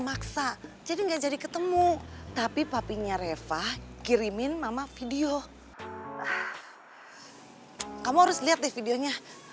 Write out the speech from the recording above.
maksud rekayasanya tuh apa boy